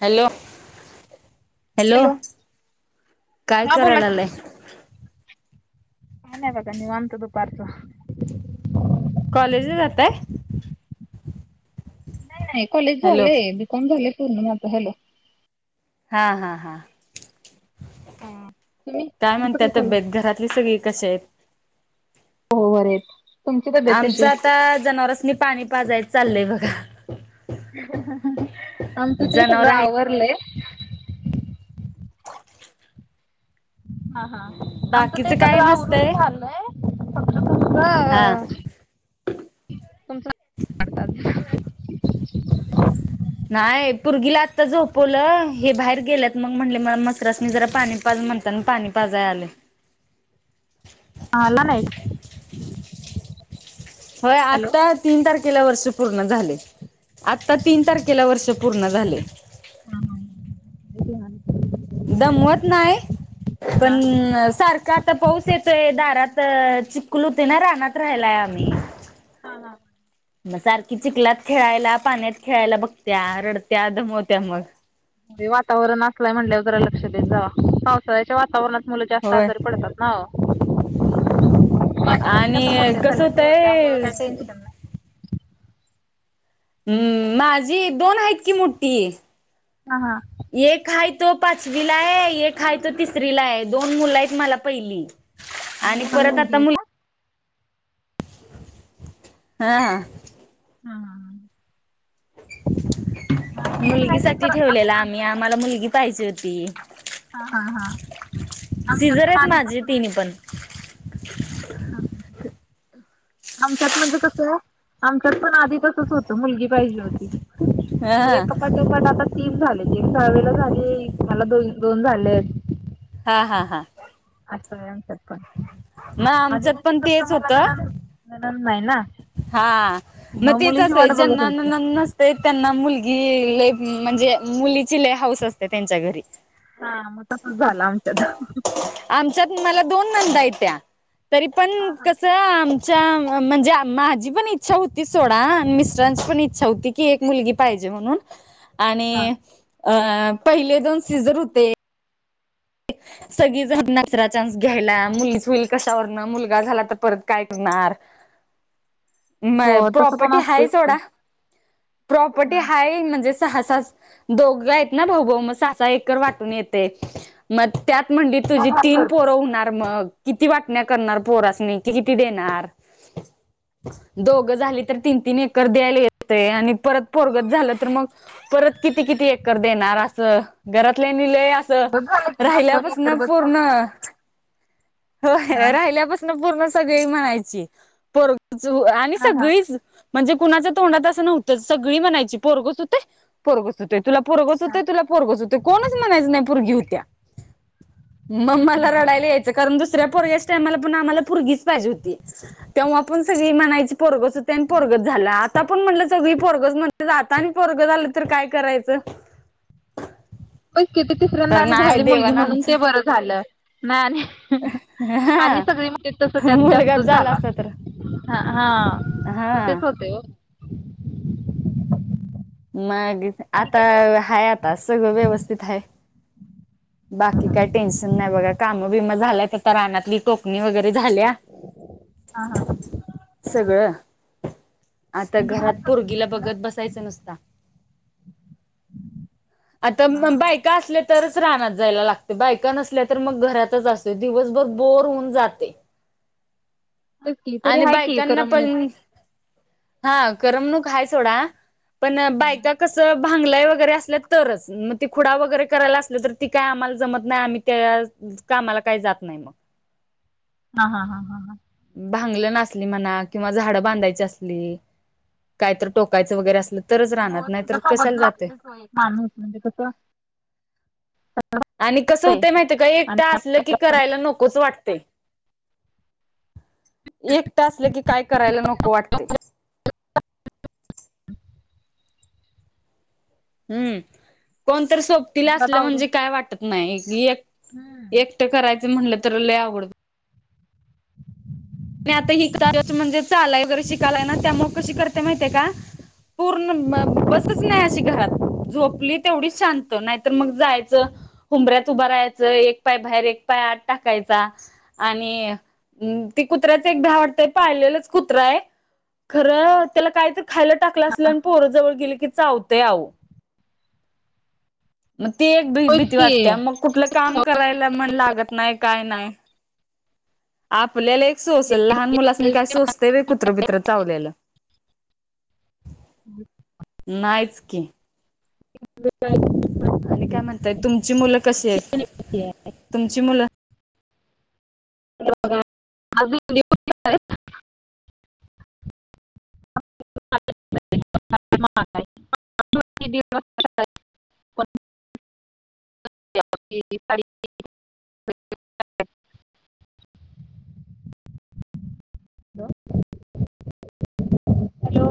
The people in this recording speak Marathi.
हॅलो, हॅलो, काय हा बोला करायला की लागलाय? काय नाही बघा. निवंत दुपारच. कॉलेजला जाताय नाय नाय कॉलेज हॅलो झालंय बीकॉम झालंय पूर्ण माझं हॅलो हा हा हा तुम्ही काय तुमचं म्हणत्या चाललंय तब्येत घरातली सगळी कशी आहेत हो बरे आहेत तुमची तब्येत कशी आमचं आहे आता जनावरांस्नी पाणी पाजायचं चाललंय बघा आमचं ते जनावर सगळं आहेत आवरलंय बुचक हा हा आमचं ते काय सगळं आवरून नसतंय झालंय फक्त हा तुमचं तुमचं नाय पुरगीला आत्ता झोपवलं, हे बाहेर गेल्यात मंग म्हणलं मला म्हसरास्नी जरा पाणी पाज म्हणताना पाणी पाजाय आलोय आला नाही होय हॅलो आत्ता तीन तारखेला वर्ष पूर्ण झालंय, आत्ता तीन तारखेला वर्ष पूर्ण झालंय. हा हा [inaudible] दमवत नाय पण हा सार का आता पाऊस येतोय दारात चिक्कुल हुतूय ना रानात राहायलाय आम्ही. हा हा मग सारखी चिकलात खेळायला, पाण्यात खेळायला बघत्या, रडत्या, दमवत्या मग. हे वातावरण असलं हाय म्हणल्याव जरा लक्ष देत जावा, पावसाळ्याच्या वातावरणात मुलं जास्त होय आजारी पडतात ना ओ माझ्या मुली आता आणि मोठ्या कसं झाल्यात हो त्यामुळं होतंय काय टेन्शन नाय हम्म माझी दोन हायत कि मुठ्ठी हा हा एक हाय तो पाचवीला हाय एक हाय तो तिसरीला हाय, दोन मुलं आहेत मला पहिली आणि लहान परत मुलगी आता आहे मुल का? ह हा हा हा हा माझी पण मुलगी आहे साठी खरं ठेवलेलं आत्ता आम्ही आम्हाला मुलगी पाहिजे होती हा हा हा आमच्यात सिझर पण आहेत आधी माझी तसंच तिन्हीपण हा हा हा आमच्यात म्हणजे कसं आमच्यात पण आधी तसंच होतं मुलगी पाहिजे होती. मग हा एका पाटोपाट आता तीन झालेत, एक जावेला झाली मला दोन दोन झालेत. हा हा हा असंय आमच्यात पण मग आधी आमच्यात म्हणजे पण कसं तेच मला होतं नणंद नणंद नाही ना हा मग तेच मुलीची वाट असयं बघत ज्यांना होते. नणंद नस ते त्यांना मुलगी लय म्हणजे मुलीची लय हाऊस असत्या त्यांच्या घरी. हा मग तसंच झालं आमच्यात. आमच्यात मला दोन नंदा आयत्या तरी पण हा हा कसं आम च्या म्हणजे आप माझी पण इच्छा हुती सोडा आणि मिस्टरांची पण इच्छा हुती की एक मुलगी पाहिजे म्हणून. हा. आणि अ पहिले दोन सीझर हुते. सगळीच नाचरा चान्स घ्यायला, मुलीच होईल कशावरनं, मुलगा झाला तर परत, काय करणार? [inaudible] म हो तसं पण प्रॉपर्टी हाय असतंच की. सोडा, प्रॉपर्टी हा हाय म्हणजे आ सहा, दोघ येत ना भाऊ- भाऊ, म साह -साह एकर वाटून येतंय. म त्यात म्हणली, तुझी तीन पोरं होणार मग. किती वाटण्या करणार पोरासणी, कीत-किती देणार? दोघं झाली तर, तीन- तीन एकर द्यायला येतंय आणि परत पोरगचं झालं तर मग परत किती -किती एकर देणार असं, घरातल्यानी लय असं बस झालं की, दोन -दोन एकर राहिल्यापासन बस झालं. पूर्ण होय, राहिल्यापासून पूर्ण सगळी म्हणायची, पोर [unintelligible] आणि हा हा सगळीच म्हणजे कुणाच्या तोंडात असं नव्हतंच, सगळी म्हनायची, पोरगचं होतय, पोरग त होतय, तुला पोरगचं हा होतय तूला पोरग होतय, कोणच म्हणायचं नाही, परगी होत्या. म-मला रडायला यायचं, कारण दुसऱ्या पोरग्याच्या टायमाला पण, आम्हाला पोरगीच पाहिजे होती. तेव्हा पण सगळी म्हनायची, पोरग च तय, पोरगच झालं, आता पण म्हणलं सगळी पोरगच म्हणतां आता आणि पोरग झालं तर काय करायचं? पन किती तर तिसर्याणी नाही झाली मुलगी, देवान म्हणून आमचं ते बरं झालं, नही आणि आणि हा सगळी, म्हणजे तस त्यात जास्त मुलगाच झाला. असता तर हा हा, म हा तेच होतय ओ. मग ई आणि आता, काय मग हाय आता, सगळं व्यवस्थित हाय. बाकी काय टेन्शन नाही बघा, काम बिम झाल्यात आता रानातली, टोक [unintelligible] वगैरे झाल्या, हा हा सगळं. आता म्हणजे घरात, भात करतात पोरगीला तिकडं बघत बसायचं, नुसत. आता हा म हा बायका असल्या, तरच रानात जायला लागत, बायका नसल्या तर मग घरातच असते, दिवसभर बोर होऊन जाते. तेच की तरी आणि आहे की बायकांना करमणूक पण हां, करमणूक हय सोडा, पण बायका हा कसं भांगला वगैरे असल्या तरच, म ते खुडा वगैरे करायला असल्या, तर ती काय आम्हाला जमत नाही, आम्ही त्या कामाला काही जात नाही, म. हा हा हा हा हां. भांगलंन असली म्हणा किंवा झाडं बांधायची असली कायतरं टोकायचं वगैरे असलं, तरच रानात, हो नाही तर त्यांच्या सोबत कशाला जाते. लागतेच हो एक माणूस, म्हणजे कसं आणि कसं ते होतं, माहिती काय, एकट आणि असलं की, आपण करायला नकोच वाटतय. एकट असलं की, काय करायला, नको वाटतय. [unintelligible] हम्म, कोणतरी सोबतीला घरात असल, आवरून म्हणजे काय वाटत नाही, हम्म एक-एक ट करायचं, म्हनलं तर लई आवगड हो आणि आता हे इकडे आले च, हम्म म्हणजे चालाय वगैरे शिकालाय ना, त्यामुळं कशी करते माहितीे का? पूर्ण मं बसच नाही, हम्म अशी घरात, झोपली तेवढीच शांत, नाहीतर मग जायचं ऊंबऱ्यात उभं राायचं, एक पाय बाहेर, एक पाय आत टाकायचा. आणि मंग ते कुत्र्याच एक भ्याव वाटतंय, पाळलेलंच कुत्रा ये, खरं त्याला काय बी खायला टाकलं, असल अन पोर जवळ गेले की, चावतय आओ. मग ती एक होयच भी-भीती वाटते की या, मग कुठलं काम करायला, मण लागत नाही, काय नाही. आपल्याला एक सोसल, लहान मुलांसनी काय सोस ते व्हय कुत्र -बित्र चावलेलं, नाहीच की. आणि काय म्हणताय, तुमची मुलं कशी आहेत तुमची मुलं [unintelligible] [unintelligible] पण [unintelligible] हॅलो.